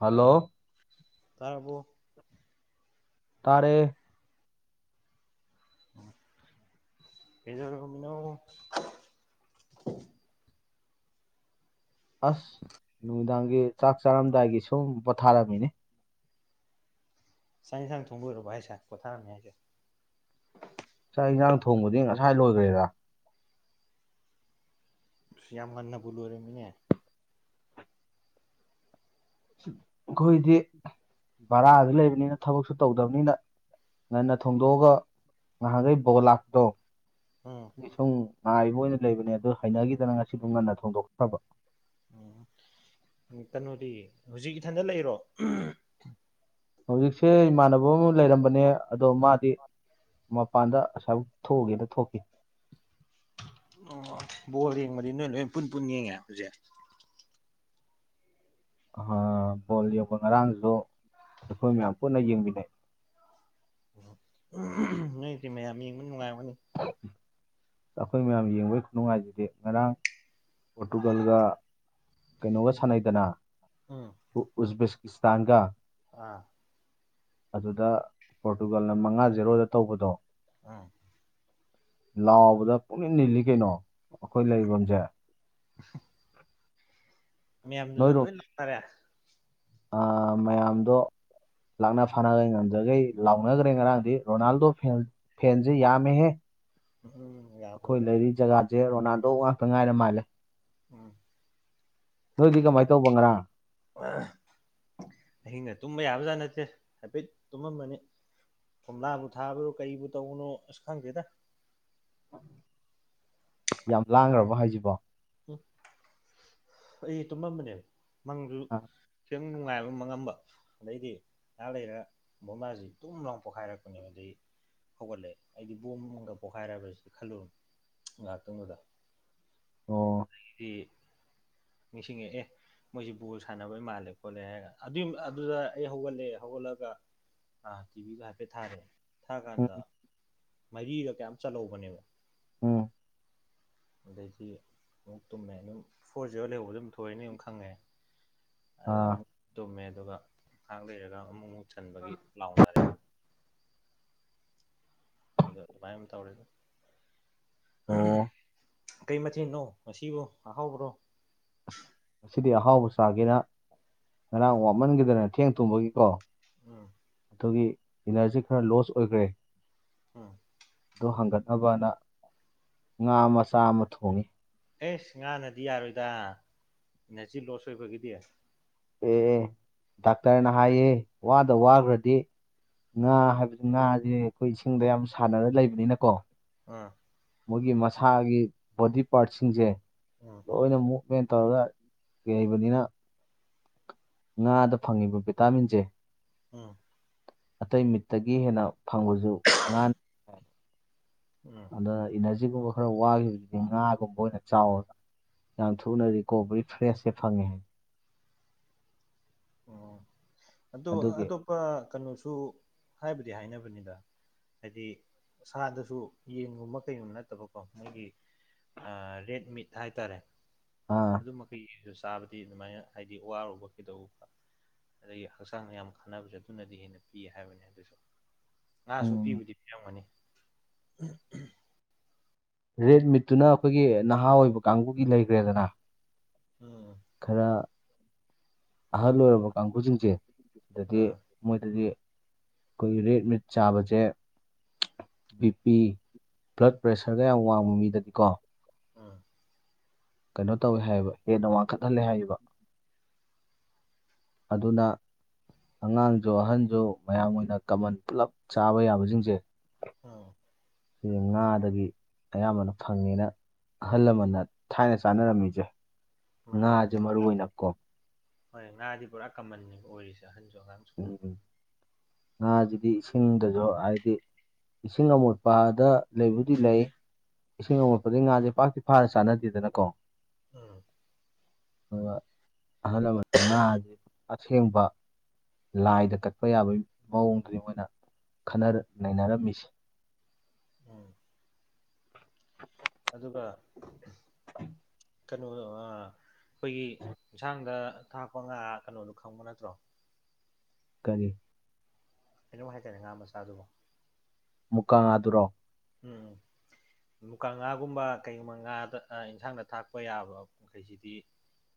Hello ꯇꯕꯨ ꯇꯥꯔꯦ ꯀꯖ ꯀꯃꯤꯅ ꯑꯁ ꯪꯒꯦꯠ ꯆꯥꯛ ꯆꯥꯔꯝꯗꯥꯏꯒꯤ ꯁꯨꯝ ꯄꯊꯥꯔꯃꯤꯅꯦ ꯁꯉ ꯁꯥꯡ ꯊꯨꯡꯕꯣꯏꯔꯕ ꯍꯥꯏꯁꯦ ꯄꯣꯊꯥꯔꯝꯅꯤ ꯍꯥꯏꯁꯦ ꯥꯏ ꯂꯣꯏꯈ꯭ꯔꯦꯔ ꯁꯌꯥꯝꯃ ꯈꯥꯟꯅ ꯐꯣꯂꯣꯔꯦ ꯃꯤꯃꯤꯅꯦ ꯑꯩꯈꯣꯏꯗꯤ ꯚꯔꯥꯁꯨ ꯂꯩꯕꯅꯤꯅ ꯊꯕꯛꯁꯨ ꯇꯧꯗꯕꯅꯤꯅ ꯉꯟꯅ ꯊꯣꯡꯗꯣꯛꯑꯒ ꯉꯍꯥꯟꯈꯩ ꯕꯣꯜ ꯂꯥꯛꯄꯗꯣ ꯎꯝ ꯁꯪ ꯉꯥꯏꯕ ꯑꯣꯏꯅ ꯂꯩꯕꯅꯦ ꯑꯗꯨ ꯍꯩꯅꯈꯤꯗꯅ ꯉꯁꯤꯕꯨ ꯉꯟꯅ ꯊꯣꯡꯗꯣꯛꯇ꯭ꯔꯕ ꯎꯝ ꯀꯩꯅꯣꯗꯤ ꯍꯧꯖꯤꯛꯀꯤ ꯏꯊꯟꯗ ꯂꯩꯔꯣ ꯍꯧꯖꯤꯛꯁꯦ ꯏꯃꯥꯟꯅꯕ ꯑꯃ ꯂꯩꯔꯝꯕꯅꯦ ꯑꯗꯣ ꯃꯥꯗꯤ ꯃꯄꯥꯟꯗ ꯑꯁꯥꯏ ꯊꯣꯛꯎꯒꯦꯅ ꯊꯣꯛꯀ ꯑꯣ ꯕꯣꯜ ꯌꯦꯡꯕꯗꯤ ꯅꯣꯏ ꯂꯣꯏ ꯄꯨꯟ ꯄꯨꯟ ꯌꯦꯡꯉꯦ ꯍꯧꯖꯤꯛ ꯕꯣꯜ ꯌꯧꯧꯕ ꯉꯔꯥꯡꯁꯨ ꯑꯩꯈꯣꯏ ꯃꯌꯥꯝ ꯄꯨꯟꯅ ꯌꯦꯡꯃꯤꯟꯅꯩ ꯅꯣꯏ ꯃꯌꯥꯝ ꯃꯤꯡꯕ ꯅꯨꯡꯉꯥꯏ ꯑꯅꯤ ꯑꯩꯈꯣꯏ ꯃꯌꯥꯝ ꯌꯦꯡꯕꯒꯤ ꯈꯨꯅꯨꯡꯉꯥꯏꯁꯤꯗꯤ ꯉꯔꯥꯡ ꯄꯣꯔꯇꯨꯒꯜꯒ ꯀꯩꯅꯣꯒ ꯁꯥꯟꯅꯩꯗꯅ꯫ ꯎꯝ ꯎꯁ꯫ ꯄꯥꯀꯤꯁꯇꯥꯟꯒ꯫ ꯑꯥ꯫ ꯑꯗꯨꯗ ꯄꯣꯔꯇꯨꯒꯜꯅ ꯃꯉꯥ ꯖꯦꯔꯣꯗ ꯇꯧꯕꯗꯣ꯫ ꯑꯥ꯫ ꯂꯑꯣ꯫ ꯗ ꯄꯨꯛꯅꯤꯡ ꯅꯤꯜꯂꯤ ꯀꯩꯅꯣ ꯑꯩꯈꯣꯏ ꯂꯩꯐꯝꯁꯦ꯫ [inaudible] ꯃꯌꯥꯝꯗꯨꯅ ꯅꯣꯏꯔꯣꯝ ꯂꯣꯏ ꯂꯥꯛꯅꯔꯦ꯫ ꯃꯌꯥꯝꯗꯣ ꯂꯥꯛꯅ ꯐꯥꯅꯒ ꯉꯝꯖꯈꯩ ꯂꯥꯎꯅꯈ꯭ꯔꯦ ꯉꯔꯥꯡꯗꯤ ꯔꯣꯅꯥꯜꯗꯣ ꯐꯦꯟꯁꯦ ꯌꯥꯝꯃꯦꯍꯦ꯫ ꯎꯝ ꯌꯥꯕꯅꯦ ꯑꯩꯈꯣꯏ ꯂꯩꯔꯤ ꯖꯒꯥ꯫ ꯁꯦ ꯔꯣꯅꯥꯜꯗꯣ ꯉꯥꯛꯇ ꯉꯥꯏꯅ ꯃꯥꯜꯂꯦ꯫ ꯎꯝ꯫ ꯅꯣꯏꯗꯤ ꯀꯃꯥꯏꯅ ꯇꯧꯕ ꯉꯔꯥꯡ ꯑꯍꯤꯡ ꯒꯥ ꯇꯨꯝꯕ ꯌꯥꯕꯖ ꯅꯠꯇ꯫ ꯍꯥꯏꯐꯦꯠ ꯇꯨꯝꯃꯃꯅꯤ ꯀꯣꯝꯂꯥꯕꯨ ꯊꯥꯕ꯭ꯔꯣ ꯀꯔꯤꯕꯨ ꯇꯧꯕꯅꯣ ꯑꯁ ꯈꯪꯗꯦꯗ꯫ ꯌꯥꯝ ꯂꯥꯡꯈ꯭ꯔꯕ ꯍꯥꯏꯁꯤꯕꯣ꯫ ꯎ ꯑꯩ ꯇꯨꯝꯃꯝꯕꯅꯦ꯫ ꯃꯥꯡꯂ꯫ ꯑꯥ, ꯈꯤꯇꯪ ꯅꯨꯡꯉꯥꯏꯕ ꯑꯃ ꯃꯉꯝꯕ ꯑꯗꯩꯗꯤ ꯉꯥꯏꯍꯥꯛ ꯂꯩꯔ ꯕꯣꯝꯂꯁꯤ ꯇꯨꯝ ꯂꯥꯎꯅ ꯄꯣꯛꯈꯥꯏꯔꯛꯄꯅꯦꯕ ꯑꯗꯩ ꯍꯧꯒꯠꯂꯑꯦ ꯑꯩꯗꯤ ꯕꯣꯝꯒ ꯄꯣꯈꯥꯏꯔꯛꯕꯁꯤ ꯈꯜꯂꯨꯔ ꯉꯥꯏꯍꯥꯛꯇꯪꯗꯨꯗ꯫ ꯑꯣ ꯑꯩꯗꯤ ꯅꯤꯡꯁꯤꯡꯉꯦ ꯑꯦ ꯃꯣꯏꯁꯤ ꯕꯣꯜ ꯁꯥꯟꯅꯕꯩ ꯃꯥꯜꯂꯦ ꯈꯣꯠꯂꯦ ꯍꯥꯏꯔꯒ ꯑꯗꯨ ꯑꯗꯨꯗ ꯑꯩ ꯍꯧꯒꯠꯂꯦ ꯍꯧꯒꯠꯂꯒ ꯇꯤꯚꯤꯗꯣ ꯍꯥꯏꯐꯦꯠ ꯊꯥꯔꯦ꯫ ꯊꯥ ꯀꯥꯟꯗ꯫ ꯎꯝ ꯃꯔꯤꯒ ꯀꯌꯥꯝ ꯆꯠꯍꯧꯕꯅꯦꯕ꯫ ꯑꯝ꯫ ꯑꯗꯒꯤ ꯑꯃꯨꯛ ꯇꯨꯝꯃꯦ ꯑꯗꯨꯝ ꯐꯣꯔ ꯖꯦꯔꯣ ꯂꯩꯍꯧꯕ ꯑꯗꯨꯝ ꯊꯣꯛꯑꯅꯤ ꯑꯗꯨꯝ ꯈꯪꯉꯦ꯫ ꯑ ꯑꯥ ꯑꯃꯨꯛ ꯇꯨꯝꯃꯦ꯫ ꯑꯗꯨꯒ ꯉꯥꯏꯍꯥꯛ ꯂꯩꯔꯒ ꯑꯃꯨꯛ ꯑꯃꯨꯛ꯫ ꯁꯟꯕꯒꯤ ꯂꯥꯎꯅꯔꯦ꯫ ꯑꯗ ꯥꯏ ꯇꯧꯔꯦꯗ꯫ ꯑꯣ [unintelligible] ꯀꯩ ꯃꯊꯦꯜꯅꯣ ꯉꯁꯤꯕꯨ ꯑꯍꯥꯎꯕ꯭ꯔꯣ꯫ ꯑꯁ ꯑꯁꯤꯗꯤ ꯑꯍꯥꯎꯕ ꯆꯥꯒꯦꯅ ꯉꯔꯥꯡ ꯋꯥꯞꯃꯟꯈꯤꯗꯅ ꯊꯦꯡ ꯊꯨꯝꯕꯒꯤꯀꯣ꯫ ꯎꯝ꯫ ꯑꯗꯨꯒꯤ ꯏꯅꯔꯖꯤ ꯈꯔ ꯂꯣꯁ ꯑꯣꯏꯈ꯭ꯔꯦ꯫ ꯎꯝ꯫ ꯑꯗꯨ ꯍꯪꯒꯠꯅꯕꯗ ꯉꯥ ꯃꯆꯥ ꯑꯃ ꯊꯣꯡꯉꯤ꯫ ꯑꯦꯁ ꯉꯥꯅꯗꯤ ꯌꯥꯔꯣꯏꯗ ꯏꯅꯔꯖꯤ ꯂꯣꯁ ꯑꯣꯏꯕꯒꯤꯗꯤ꯫ ꯑꯦ ꯗꯥꯛꯇꯔꯅ ꯍꯥꯏꯌꯦ ꯋꯥꯗ ꯋꯥꯈ꯭ꯔꯗꯤ ꯉꯥ ꯍꯥꯏꯕꯕꯁꯤ ꯉꯥꯁꯦ ꯑꯩꯈꯣꯏ ꯏꯁꯤꯡꯗ ꯌꯥꯝ ꯁꯥꯟꯅꯔ ꯂꯩꯕꯅꯤꯅꯀꯣ꯫ ꯑꯥ꯫ ꯃꯣꯏꯒꯤ ꯃꯁꯥꯒꯤ ꯕꯣꯗꯤ ꯄꯥꯔꯠꯁꯤꯡꯁꯦ꯫ ꯎꯝ ꯂꯣꯏꯅ ꯁꯃꯥꯏꯅ ꯇꯧꯔꯒ ꯂꯩꯕꯅꯤꯅ ꯉꯥꯗ ꯐꯪꯉꯤꯕ ꯚꯤꯇꯥꯃꯤꯟꯁꯦ ꯑꯝ ꯑꯇꯩ ꯃꯤꯠꯇꯒꯤ ꯍꯦꯟꯅ ꯐꯪꯕꯁꯨ ꯉꯥꯅꯤ ꯎꯝ ꯑꯗ ꯏ ꯑꯁꯤꯒꯨꯝꯕ ꯈꯔ ꯋꯥꯈꯤꯕꯗꯨꯗꯤ ꯉꯥꯒꯨꯝꯕ ꯑꯣꯏꯅ ꯆꯥꯎꯔ ꯌꯥꯝ ꯊꯨꯅ ꯔꯤꯀꯣꯕꯔꯤ ꯐ꯭ꯔꯦꯁꯁꯦ ꯐꯪꯉꯦ ꯍꯥꯏ ꯑꯣ ꯑꯗꯨꯣ ꯑꯗꯨꯒꯤ ꯑꯇꯣꯞꯄ ꯀꯩꯅꯣ ꯁꯨ ꯍꯥꯏꯕꯗꯤ ꯍꯥꯏꯅꯕꯅꯤꯗ ꯍꯥꯏꯗꯤ ꯁꯥꯗꯁꯨ ꯌꯦꯟꯒꯨꯝꯕ ꯀꯩꯒꯨꯝꯕ ꯅꯠꯇꯕꯀꯣ ꯃꯣꯏꯒꯤ ꯔꯦꯠ ꯃꯤꯠ ꯍꯥꯏꯇꯥꯔꯦ ꯑꯥ ꯑꯗꯨ ꯃꯈꯩ ꯌꯦꯡꯁꯤ ꯆꯥꯕꯗꯤ ꯑꯗꯨꯃꯥꯏꯅ ꯍꯥꯏꯗꯤ ꯋꯥꯔꯨꯕ ꯀꯩꯗꯧꯨꯕ ꯑꯗꯒꯤ ꯍꯛꯆꯥꯡꯗ ꯌꯥꯝ ꯈꯟꯅꯅꯕꯁꯦ ꯑꯗꯨꯅꯗꯤ ꯍꯦꯟꯅ ꯄꯤ ꯍꯥꯏꯕꯅꯤ ꯑꯗꯨꯁꯨ ꯉꯥꯁꯨ ꯎꯝ ꯄꯤꯕꯨꯗꯤ ꯄꯤꯔꯝꯒꯅꯤ ꯎꯝ ꯎꯝ ꯔꯦꯠ ꯃꯤꯠꯇꯨꯅ ꯑꯩꯈꯣꯏꯒꯤ ꯅꯍꯥ ꯑꯣꯏꯕ ꯀꯥꯡꯕꯨꯒꯤ ꯂꯩꯈ꯭ꯔꯦꯗꯅ ꯎꯝ ꯈꯔ ꯑꯍꯔ ꯂꯣꯏꯔꯔꯕ ꯀ ꯀꯥꯡꯪꯈꯨ ꯆꯤꯡ ꯆꯦ ꯑꯗꯨꯗꯗꯤ ꯎꯝ ꯃꯣꯏꯗꯗꯤ ꯑꯩꯈꯣꯏꯒꯤ ꯔꯦꯠ ꯃꯤꯠ ꯆꯥꯕꯁꯦ ꯕꯤ ꯄꯤ ꯕ꯭ꯂꯠ ꯄ꯭ꯔꯦꯁꯔꯒ ꯌꯥꯝ ꯋꯥꯡꯕ ꯃꯤꯗꯗꯤꯀꯣ ꯎꯝ ꯀꯩꯅꯣ ꯇꯧꯋꯦ ꯍꯥꯏꯕ ꯍꯦꯟꯅ ꯋꯥꯡꯈꯠꯍꯜꯂꯦ ꯍꯥꯏꯕ ꯑꯗꯨꯅ ꯑꯉꯥꯡꯁꯨ ꯑꯍꯟꯁꯨ ꯃꯌꯥꯝ ꯑꯣꯏꯅ ꯀꯃꯟ ꯄꯨꯂꯞ ꯆꯥꯕ ꯌꯥꯕꯁꯤꯡꯁꯦ ꯑꯣ ꯁꯤꯁ ꯉꯥꯗꯒꯤ ꯑꯌꯥꯝꯕꯅ ꯐꯪꯉꯦꯅ ꯑꯍꯜ ꯂꯃꯟꯅ ꯊꯥꯏꯅ ꯆꯥꯅꯔꯝꯃꯤꯁꯦ ꯃꯥꯅꯦ ꯃꯥꯅꯦ ꯉꯅꯥꯖꯦ ꯃꯔꯔ ꯅꯀꯣ ꯍꯣꯏ ꯉꯥꯗꯤ ꯄꯨꯔꯥ ꯀꯃꯟꯅꯤ ꯑꯣꯏꯔꯤꯁꯦ ꯑꯟ ꯒꯔ ꯎꯝ ꯉꯥꯁꯤꯗꯤ ꯏꯁꯤꯡꯗꯁꯨ ꯍꯥꯏꯗꯤ ꯏꯁꯤꯡ ꯑꯃꯣꯠꯄꯗ ꯂꯩꯕꯨꯗꯤ ꯂꯩ ꯏꯁꯤꯡ ꯑꯃꯣꯠꯄꯗꯤ ꯉꯥꯁꯦ ꯄꯥꯛꯇꯤ ꯐꯥꯅ ꯆꯥꯅꯗꯦꯗꯅꯀꯣ ꯎꯝ ꯑꯗꯨꯒ ꯑꯍꯜ ꯂꯃꯟ ꯉꯥ ꯑꯁꯤ ꯑꯁꯦꯡꯕ ꯂꯥꯏꯗ ꯀꯠꯄ ꯌꯥꯕꯒꯤ ꯃꯑꯣꯡꯗꯨꯗꯤ ꯃꯣꯏꯅ ꯅꯩꯅꯔꯝꯃꯤꯁꯦ ꯎꯝ [unintelligible] ꯑꯗꯨꯒ ꯀꯩꯅꯣ ꯑꯩꯈꯣꯏꯒꯤ ꯌꯦꯟꯁꯥꯡꯗ ꯊꯥꯛꯄ ꯉꯥ ꯀꯩꯅꯣꯗꯣ ꯈꯪꯕ ꯅꯠꯇ꯭ꯔꯣ ꯀꯔꯤꯦ ꯀꯩꯅꯣꯝ ꯍꯥꯏꯇꯥꯔꯦ ꯉꯥ ꯃꯆꯥꯗꯨꯕꯣ ꯃꯨꯛꯀꯥꯗꯨꯔꯣ ꯎꯝ ꯎꯝ ꯃꯨꯀ ꯉꯥꯒꯨꯝꯕ ꯀꯩꯒꯨꯝꯕ ꯉꯥꯗ ꯑꯦꯟꯁꯥꯡꯗ ꯊꯥꯛꯄ ꯌꯥꯕ ꯃꯈꯈꯩꯁꯤꯗꯤ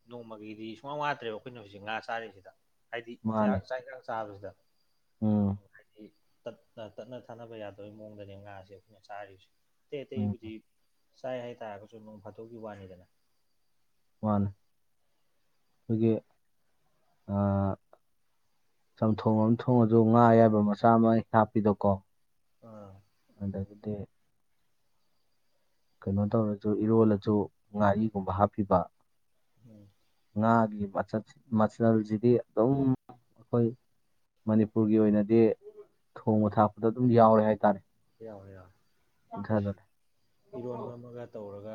ꯅꯣꯡꯃꯒꯤꯩꯗꯤ ꯁꯨꯡꯃꯥꯡ ꯋꯥꯠꯇ꯭ꯔꯦꯕ ꯑꯩꯈꯣꯏꯅ ꯍꯧꯖꯤꯛ ꯉꯥ ꯆꯥꯔꯤꯁꯤꯗ ꯍꯥꯏꯗꯤ ꯃꯥꯅꯦ ꯁꯥꯏꯀꯜ ꯆꯥꯕꯁꯤꯗ ꯎꯝ ꯑꯣ ꯇꯠꯅ ꯇꯠꯅ ꯊꯥꯅꯕ ꯌꯥꯗꯣꯏ ꯃꯑꯣꯡꯗꯅꯦ ꯉꯥꯁꯦ [unintelligible] ꯊꯇꯩ ꯎꯝ ꯍꯧꯖꯤ ꯆꯥꯏ ꯍꯥꯏꯩꯇꯥꯥꯔꯒꯁꯨ ꯅꯣꯡ ꯐꯥꯠꯇꯣꯛꯒꯤ ꯋꯥꯅꯤꯗꯅ ꯃꯥꯅꯤ ꯑꯩꯈꯣꯏꯒꯤ ꯆꯝꯊꯣꯡ ꯑꯃ ꯊꯣꯡꯉꯁꯨ ꯉꯥ ꯑꯌꯥꯏꯕ ꯃꯆꯥ ꯑꯃ ꯍꯥꯞꯄꯤꯗꯀꯣ ꯑꯥ ꯑꯗꯗꯤ ꯀꯩꯅꯣ ꯇꯧꯔꯁꯨ ꯏꯔꯣꯜꯂꯁꯨ ꯉꯥꯔꯤꯒꯨꯝꯕ ꯍꯥꯞꯄꯤꯕ ꯎꯝ ꯉꯒꯤ ꯃꯆꯜꯁꯤꯗꯤ ꯑꯗꯨꯝ ꯑꯩꯈꯣꯏ ꯃꯅꯤꯄꯨꯔꯒꯤ ꯑꯣꯏꯅꯗꯤ ꯊꯣꯡꯕ ꯊꯥꯛꯄꯗ ꯑꯗꯨꯝ ꯌꯥꯎꯔꯦ ꯍꯥꯏꯇꯥꯔꯦ [inaudible] ꯑꯁ ꯏꯔꯣꯟꯕ ꯑꯃꯒ ꯇꯧꯔꯒ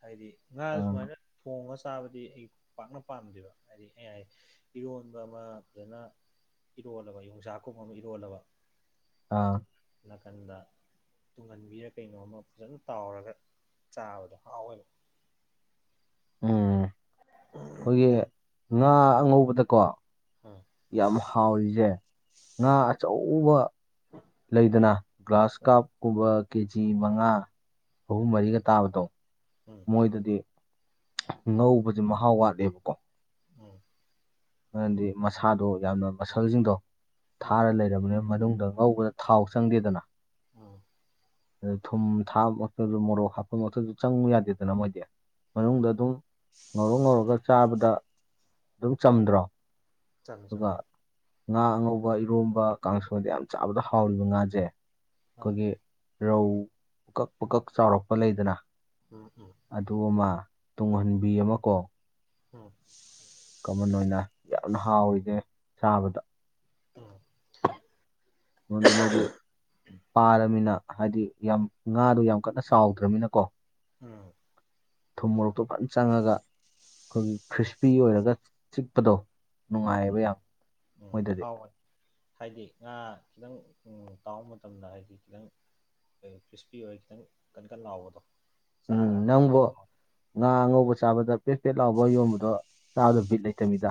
ꯍꯥꯏꯗꯤ ꯉꯥ ꯑꯥ ꯁꯨꯃꯥꯏꯅ ꯊꯣꯡꯉ ꯆꯥꯕꯗꯤ ꯑꯩ ꯄꯥꯛꯅ ꯄꯥꯝꯗꯦꯕ ꯍꯥꯏꯗꯤ ꯑꯩ ꯏꯔꯣꯟꯕ ꯑꯃ ꯐꯖꯅ ꯏꯔꯣꯜꯂꯕ ꯌꯣꯡꯁꯥꯛ ꯀꯨꯝꯕ ꯑꯃ ꯏꯔꯣꯜꯂꯕ ꯑꯥ ꯑꯗꯨ ꯅꯥꯀꯟꯗ ꯇꯨꯡꯍꯟꯕꯤꯔ ꯀꯩꯅꯣꯝꯃ ꯐꯖꯅ ꯇꯥꯎꯔꯒ ꯆꯥꯕꯗꯣ ꯍꯥꯎꯋꯦꯕ ꯎꯝ [inaudible] ꯑꯩꯈꯣꯏꯒꯤ ꯉꯥ ꯑꯉꯧꯕꯗꯀꯣ ꯎꯝ ꯌꯥꯝ ꯍꯥꯎꯔꯤꯁꯦ ꯉꯥ ꯎꯝ ꯑꯆꯧꯕ ꯂꯩꯗꯅ ꯒ꯭ꯂꯥꯁ ꯀꯥꯞ ꯀꯨꯝꯕ ꯀꯦꯖꯤ ꯃꯉꯥ ꯑꯍꯨꯝ ꯃꯔꯤꯒ ꯇꯥꯕꯗꯣ ꯎꯝ ꯃꯣꯏꯗꯗꯤ ꯉꯧꯕꯁꯦ ꯃꯍꯥꯎ ꯋꯥꯠꯂꯦꯕꯀꯣ ꯎꯝ ꯃꯔꯝꯗꯤ ꯃꯁꯥꯗꯣ ꯌꯥꯝꯅ ꯃꯁꯜꯁꯤꯡꯗꯣ ꯎꯝ ꯊꯥꯔ ꯂꯩꯔꯕꯅꯦ ꯃꯅꯨꯡꯗ ꯉꯧꯕꯗ ꯊꯥꯎ ꯆꯪꯗꯦꯗꯅ ꯎꯝ ꯑꯗꯨ ꯊꯨꯝ ꯊꯥꯕꯃꯛꯇꯗ ꯃꯣꯔꯣꯛ ꯍꯥꯞꯄꯃꯛꯇꯁꯨ ꯆꯪꯉꯨ ꯌꯥꯗꯦꯗꯅ ꯃꯣꯏꯗꯤ ꯎꯝ ꯃꯅꯨꯡꯗ ꯑꯗꯨꯝ ꯉꯧꯔ ꯉꯧꯔꯒ ꯆꯥꯕꯗ ꯑꯗꯨꯝ ꯆꯟꯗ꯭ꯔ ꯆꯂꯣ ꯆꯂꯣ ꯉꯥ ꯑꯉꯧꯕ ꯏꯔꯣꯝꯕ ꯀꯥꯡꯁꯣꯏꯗ ꯌꯥꯝ ꯆꯥꯕꯗ ꯍꯥꯎꯔꯤꯕ ꯉꯥꯁꯦ ꯑꯥ ꯀꯒꯦ ꯔꯧ ꯄꯨꯀꯛ ꯄꯨꯀꯛ ꯆꯥꯎꯔꯛꯄ ꯂꯩꯗꯅ ꯎꯝ ꯎꯝ ꯑꯗꯨ ꯑꯃ ꯇꯨꯡꯍꯟꯕꯤ ꯑꯃ ꯀꯣ ꯎꯝ ꯀꯃꯟ ꯑꯣꯏꯅ ꯌꯥꯝꯅ ꯍꯥꯎꯋꯤꯗꯦ ꯁꯥꯕꯗ ꯎꯝ ꯅꯗ ꯃꯣꯗꯤ ꯄꯥꯔꯃꯤꯅ ꯍꯥꯏꯗꯤ ꯌꯥꯝ ꯉꯥꯗꯣ ꯌꯥꯝ ꯀꯟꯅ ꯆꯥꯎꯗ꯭ꯔꯃꯤꯅꯀꯣ ꯎꯝ ꯊꯨꯝ ꯃꯣꯔꯣꯛꯇꯨ ꯐꯖ ꯆꯪꯉꯒ ꯑꯩꯈꯣꯏꯒꯤ ꯈ꯭ꯔꯤꯁꯄꯤ ꯑꯣꯏꯔꯒ ꯆꯤꯛꯄꯗꯣ ꯎꯝ ꯎꯝ ꯅꯨꯡꯉꯥꯏꯕ ꯌꯥꯝ ꯎꯝ ꯃꯣꯏꯗꯗꯤ ꯍꯥꯎꯕꯅꯤ ꯍꯥꯏꯗꯤ ꯉꯥ ꯈꯤꯇꯪ ꯇꯥꯎꯕ ꯃꯇꯝꯗ ꯍꯥꯏꯗꯤ ꯈꯤꯇꯪ ꯈ꯭ꯔꯤꯁꯄꯤ ꯑꯣꯏꯔ ꯈꯤꯇꯪ ꯀꯟ ꯀꯟ ꯂꯥꯎꯕꯗꯣ ꯎꯝ ꯆꯥꯀꯥꯟꯗ ꯌꯥꯝ ꯅꯪꯕꯨꯣ ꯉꯥꯉꯧꯕ ꯆꯥꯕꯗ ꯄꯁꯇꯦꯠꯂꯥꯎꯕ ꯌꯣꯕꯗꯣ ꯆꯥꯗ ꯕꯤ ꯂꯩꯇꯕꯤꯗ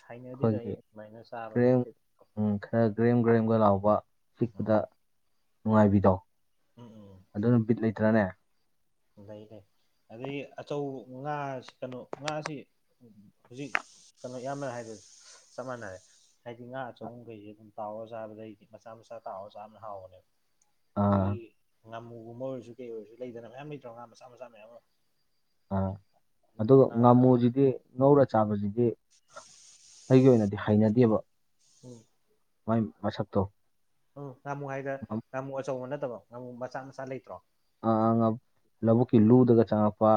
ꯁꯥꯏꯅꯕꯤꯗ ꯑꯩꯈꯣꯏꯒꯤ ꯑꯩ ꯑꯗꯨꯃꯥꯏꯅ ꯆꯥꯕꯗꯣ ꯄ꯭ꯔꯦꯝꯒ ꯂꯥꯎꯕ ꯁꯤꯄꯗ ꯎꯝ ꯅꯨꯡꯉꯥꯏꯕꯤꯗꯣ [inaudible] ꯑꯗꯨ ꯅꯨ ꯕꯤꯠ ꯂꯩꯇ꯭ꯔꯅꯦ ꯂꯩ ꯂꯩ ꯑꯗꯗꯒꯤ ꯑꯆꯧ ꯉꯥ ꯀꯩꯅꯣ ꯉꯥꯁꯤ ꯍꯧꯖꯤꯛ ꯀꯩꯅꯣ ꯌꯥꯝꯌꯥꯝꯃꯅ ꯍꯥꯏꯕ ꯆꯞ ꯃꯥꯟꯅꯔꯦ ꯍꯥꯏꯗꯤ ꯉꯥ ꯑꯆꯧꯕꯈꯩꯁꯤ ꯑꯗꯨꯝ ꯇꯥꯛꯑ ꯆꯥꯕꯗꯩꯗꯤ ꯃꯆꯥ ꯃꯆꯥ ꯇꯥꯛꯑ ꯆꯥꯕꯅ ꯍꯥꯎꯕꯅꯦꯕ ꯂꯩ ꯑꯥ ꯉꯥꯃꯨꯒꯨꯝꯕ ꯑꯣꯏꯔꯁꯨ ꯀꯩ ꯑꯣꯏꯔꯁꯨ ꯂꯩꯗꯅ ꯃꯌꯥꯝ ꯂꯩꯇ ꯄ꯭ꯔꯣꯒꯒꯥ ꯃꯆꯥ ꯃꯆꯥ ꯃꯌꯥꯝꯨꯣ ꯑꯥ ꯑ ꯉꯥꯃꯨꯁꯤꯗꯤ ꯉꯧꯔ ꯆꯥ ꯗꯤ ꯑꯩꯒꯤ ꯑꯣꯏꯅꯗꯤ ꯍꯩꯅꯗꯦꯕ ꯎꯝ ꯃ ꯃ ꯁꯇꯣ ꯎꯝ ꯉꯃꯨ ꯍꯥꯏꯗ ꯉꯥꯃꯨ ꯑꯆꯧꯕ ꯅꯠꯇꯕꯣ ꯑꯃ ꯃꯁꯥ ꯃꯁꯥ ꯂꯩꯇ꯭ꯔꯣ ꯑ ꯑ ꯂꯧꯕꯨꯛꯀꯤ ꯂꯨꯗꯒ ꯆꯪꯉꯛꯄ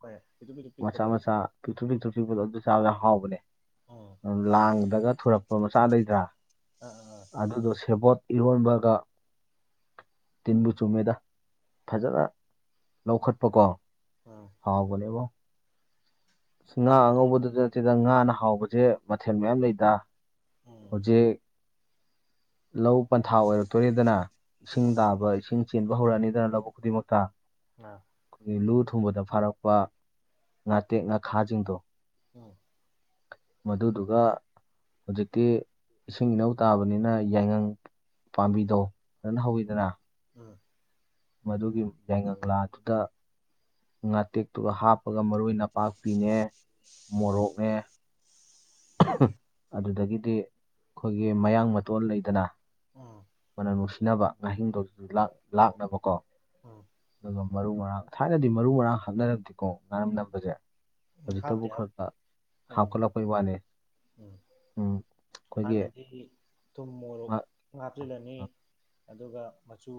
ꯍꯣꯏ ꯄꯤꯛꯇꯨ ꯄꯤꯛꯇꯨ ꯄꯤꯛꯄꯗꯣ ꯃꯆꯥꯥ ꯃꯆꯥ ꯄꯤꯇ꯭ꯔꯨ ꯄꯤꯇ꯭ꯔꯨ ꯄꯤꯕ ꯆ ꯍꯥꯎꯕꯅꯦ ꯎꯝ ꯂꯥꯡꯗꯒ ꯊꯔꯛ ꯍ ꯃꯁꯥꯗꯩ ꯊ ꯑꯥ ꯑꯥ ꯑꯥ ꯑꯗꯨꯗ ꯁꯦꯕꯣꯠ ꯏꯔꯣꯟꯕꯒ ꯇꯤꯟꯕꯨ ꯆꯨꯝꯃꯦꯗ ꯐꯖꯅ ꯂꯧꯈꯠꯄꯀꯣ ꯎꯝ ꯍꯥꯎꯕꯅꯦꯕꯣ ꯀꯩꯅꯣꯗꯤ ꯑꯉꯥ ꯁꯤꯗ ꯉꯥꯅ ꯍꯥꯎꯕꯁꯦ ꯃꯊꯦꯜ ꯃꯌꯥꯝ ꯂꯩꯗ ꯎꯝ ꯍꯧꯖꯤꯦ ꯂꯧ ꯄꯟꯊꯥ ꯑꯣꯏꯔꯛꯇꯣꯔꯤꯗꯅ ꯏꯁꯤꯡ ꯎꯝ ꯇꯥꯕ ꯏꯁꯤꯡ ꯆꯤꯟꯕ ꯍꯧꯔꯥꯅꯤꯗꯅ ꯂꯧꯕ ꯈꯨꯗꯤꯡꯃꯛꯇꯥ ꯑ ꯂꯨ ꯊꯨꯝꯕꯗ ꯐꯥꯔꯛꯄ ꯉꯥꯇꯦꯛ ꯉ ꯈꯥꯖꯗꯣ ꯎꯝ ꯃꯗꯨꯗꯨꯒ ꯍꯧꯖꯤꯛꯇꯤ ꯏꯁꯤꯡ ꯏꯅꯥꯧ ꯇꯥꯕꯅꯤꯅ ꯌꯥꯏꯉꯪ ꯄꯥꯝꯕꯤꯗꯣ ꯐꯖꯅ ꯍꯧꯋꯤꯗꯅ ꯎꯝ ꯃꯗꯨꯒꯤ ꯌꯥꯏꯉꯥꯗꯨꯗ ꯉꯥꯇꯦꯛꯇꯨꯒ ꯍꯥꯞꯄꯒ ꯃꯔꯣꯏ ꯅꯄꯥꯛꯄꯤꯅꯦ ꯃꯣꯔꯣꯛꯅꯦ ꯑꯗꯨꯗꯒꯤꯗꯤ ꯑꯩꯈꯣꯏꯒꯤ ꯃꯌꯥꯡ ꯃꯇꯣꯟ ꯂꯩꯗꯅ ꯎꯝ ꯎꯝ ꯃꯅꯁ ꯊꯤꯅꯕ ꯉꯥꯍꯤꯡꯗꯧꯗꯨꯁꯨ ꯂꯥꯛꯅꯕ ꯀꯣ ꯎꯝ ꯑꯗꯨ ꯃꯔꯨ ꯃꯔꯥꯡ ꯊꯥꯏꯅꯗꯤ ꯃꯔꯨ ꯃꯔꯥꯡ ꯍꯥꯞꯅꯔꯝꯛꯇꯦꯀꯣ ꯉꯥꯏꯔꯝꯗꯕꯁꯦ ꯍꯥꯞꯇꯦ ꯍꯧꯖꯤꯛꯇꯕꯨ ꯍꯥꯞ ꯈꯔ ꯈ ꯎꯝ ꯍꯥꯞꯀꯠꯂꯛꯄꯣꯏ ꯋꯥꯅꯦ ꯎꯝ ꯍꯥꯟꯅꯗꯤ ꯊꯨꯝꯃ ꯃꯥ- ꯉꯥꯛꯂꯂꯅꯤ ꯑꯗꯨꯒ ꯃꯆꯨ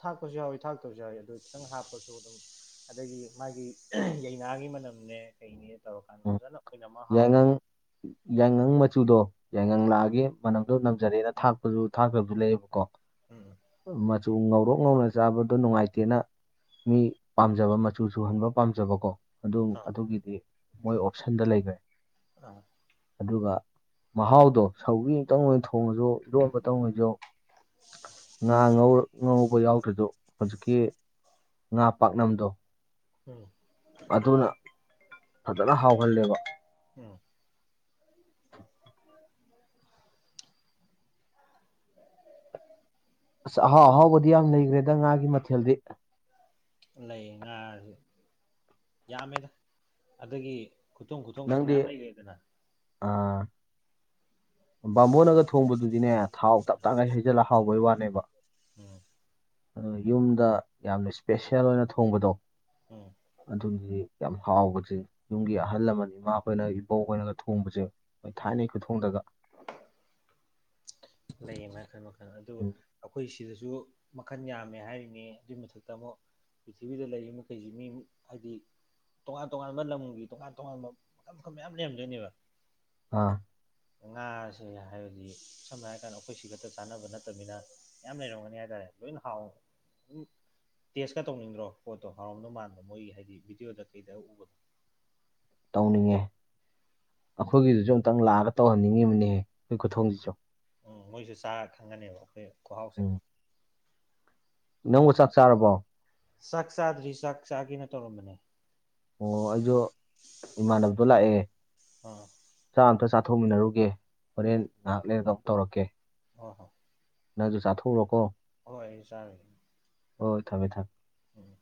ꯊꯥꯛꯄꯁꯨ ꯌꯥꯎꯋꯤ ꯊꯥꯛꯇꯕꯁꯨ ꯌꯥꯎꯋꯤ ꯑꯗꯨ ꯈꯤꯇꯪ ꯍꯥꯞꯄꯁꯨ ꯑꯗꯨꯝ ꯑꯗꯒꯤ ꯃꯥꯒꯤ ꯌꯩꯅꯥꯒꯤ ꯃꯅꯝ ꯀꯩ ꯎꯝ ꯌꯥꯏꯉꯪ ꯌꯥꯏꯉꯪ ꯆꯨꯗꯣ ꯌꯥꯏꯉ ꯎꯝ ꯂꯥꯛꯑꯒꯦ ꯃꯅꯝ ꯑꯗꯨ ꯅꯝꯖꯔꯦꯅ ꯊꯥꯛꯄꯁꯨ ꯊꯥꯛꯇꯕꯁꯨ ꯂꯩꯌꯦꯕꯀꯣ ꯎꯝ ꯃꯆꯨ ꯉꯧꯔꯣꯛ ꯉꯧꯅ ꯆꯥꯕꯗꯣ ꯅꯨꯡꯉꯥꯏꯇꯦꯅ ꯃꯤ ꯄꯥꯝꯖꯕ ꯃꯆꯨ ꯁꯨꯍꯟꯕ ꯄꯥꯝꯖꯕꯀꯣ ꯑꯗꯨ ꯑꯥ ꯑꯗꯨꯒꯤꯗꯤ ꯃꯣꯏ ꯑꯣꯞꯁꯟꯗ ꯂꯩꯈ꯭ꯔꯦ ꯑꯥ ꯑꯗꯨꯒ ꯃꯍꯥꯎꯗꯣ ꯁꯧꯤ ꯑꯃꯇꯪ ꯑꯣꯏꯅ ꯊꯣꯡꯉꯁꯨ ꯏꯔꯣꯟꯕꯇꯪ ꯑꯣꯏꯁꯨ ꯉꯥ ꯉꯧꯔꯛ ꯉꯧꯕ ꯌꯥꯎꯗ꯭ꯔꯤꯗꯣ ꯍꯧꯖꯤꯛꯀꯤ ꯉꯥ ꯄꯥꯛꯅꯝꯗꯣ ꯎꯝ ꯑꯗꯨꯅ ꯐꯖꯅ ꯍꯥꯎꯍꯜꯂꯦꯕ ꯎꯝ [unintelligible] ꯑꯁ ꯑꯍꯥꯎ ꯑꯍꯥꯎꯕꯗꯤ ꯌꯥꯝ ꯂꯩꯈ꯭ꯔꯦꯗ ꯉꯥꯒꯤ ꯃꯊꯦꯜꯗꯤ ꯂꯩ ꯉꯥꯔꯁꯨ ꯌꯥꯝꯃꯦꯗ ꯑꯗꯨꯗꯒꯤ ꯈꯨꯊꯣꯡ ꯈꯨꯊꯣꯡꯁꯨ ꯃꯌꯥꯝ ꯂꯩꯈꯦꯗꯅ ꯑꯥ ꯇꯥꯎꯊꯣꯡ ꯕꯥꯝꯕꯣꯟꯅꯒ ꯊꯣꯡꯕꯗꯨꯗꯤꯅꯦ ꯊꯥꯎ ꯇꯞ ꯇꯪꯉꯒ ꯍꯩꯖꯤꯜꯂ ꯍꯥꯎꯕꯩ ꯋꯥꯠ ꯕ ꯎꯝ ꯑ ꯌꯨꯝꯗ ꯌꯥꯝꯅ ꯏꯁꯄꯦꯁꯦꯜ ꯑꯣꯏꯅ ꯊꯣꯡꯕꯗꯣ ꯎꯝ ꯑꯗꯨꯗꯤ ꯌꯥꯝ ꯍꯥꯎꯕꯁꯦ ꯌꯨꯝꯒꯤ ꯑꯍꯜ ꯑꯃꯅꯤ ꯏꯃꯥꯈꯣꯏꯅ ꯏꯕꯧꯈꯣꯏꯅꯒ ꯊꯣꯡꯕꯁꯦ ꯑꯩꯣꯏ ꯎꯝ ꯊꯥꯏꯅꯩ ꯈꯨꯊꯣꯡꯗꯒ ꯂꯩ ꯃ ꯑꯗꯨ ꯎꯝ ꯑꯩꯈꯣꯏ ꯁꯤꯗꯁꯨ ꯃꯈꯟ ꯌꯥꯝꯃꯦ ꯍꯥꯏꯔꯤꯅꯦ ꯑꯗꯨꯏ ꯃꯊꯛꯇ ꯑꯃꯨꯛ ꯄ꯭ꯔꯤꯊꯤꯕꯤꯗ ꯂꯩꯔꯤꯕ ꯃꯈꯩꯁꯤ ꯃꯤ ꯍꯥꯏꯗꯤ ꯇꯣꯉꯥꯟ ꯇꯣꯉꯥꯟꯕ ꯂꯝꯒꯤ ꯇꯣꯉꯥꯟ ꯇꯣꯉꯥꯟꯕ ꯃꯈꯜ ꯃꯈꯟ ꯃꯌꯥꯝ ꯂꯩꯔꯝꯗꯣꯏꯅꯦꯕ ꯑꯥ ꯉꯥꯁꯦ ꯍꯥꯏꯕꯗꯤ ꯁꯝꯅ ꯍꯥꯏꯔ ꯀꯥꯟꯗ ꯑꯩꯈꯣꯏ ꯁꯤ ꯈꯛꯇ ꯆꯥꯅꯕ ꯅꯠꯇꯕꯅꯤꯅ ꯌꯥꯝ ꯂꯩꯔꯝꯒꯅꯤ ꯍꯥꯏ ꯇꯥꯔꯦ ꯂꯣꯏꯅ ꯍꯥꯎꯝ ꯇꯦꯁꯀ ꯇꯧꯅꯤꯡꯗ꯭ꯔꯣ ꯄꯣꯠꯇꯣ ꯍꯥꯎꯔꯝꯗ ꯃꯥꯟꯕ ꯃꯣꯏꯒꯤ ꯍꯥꯏꯗꯤ ꯚꯤꯗꯤꯑꯣꯗ ꯀꯩꯗ ꯎꯕꯗꯣ ꯇꯧꯅꯤꯡꯉꯦ ꯑꯩꯈꯣꯏꯒꯤꯗꯨꯁꯨ ꯑꯃꯨꯛꯇꯪ ꯂꯥꯛꯑꯒ ꯇꯧꯍꯟꯅꯤꯡꯉꯤꯕꯅꯤꯍ ꯑꯩꯣꯏ ꯈꯨꯊꯣꯡꯁꯤ ꯆꯣ ꯎꯝ ꯃꯣꯏꯁꯨ ꯆꯥ ꯈꯪꯒꯅꯦꯕ ꯑꯩꯈꯣꯏ ꯈꯍꯥꯎꯁꯦ ꯎꯝ ꯅꯪꯕꯨ ꯆꯥꯛ ꯆꯥꯔꯕꯣ ꯆꯥꯛ ꯆꯥꯗ꯭ꯔꯤ ꯆꯥꯛ ꯆꯥꯒꯦꯅ ꯇꯧꯔꯝꯕꯅꯦ ꯑꯣ ꯑꯩꯗꯣ ꯏꯃꯥꯟꯅꯕꯗꯣ ꯂꯥꯛꯑꯦ ꯑꯥ ꯆꯥ ꯑꯝꯇ ꯆ ꯊꯣꯛꯃꯤꯟꯅꯔꯨꯒꯦ ꯐꯣꯔ ꯅꯥꯥꯛꯂ ꯇꯧꯔꯛꯀꯦ ꯍ ꯍꯣ ꯅꯪꯁꯨ ꯆꯥꯊꯣꯛꯎꯔꯣꯀꯣ ꯍꯣꯏ ꯆꯔꯦ ꯍ ꯊꯝꯃꯦ ꯊꯝꯃꯦ ꯎꯝ